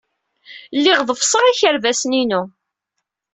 Lliɣ ḍeffseɣ ikerbasen-inu.